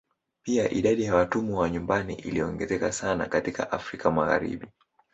Pia idadi ya watumwa wa nyumbani iliongezeka sana katika Afrika Magharibi.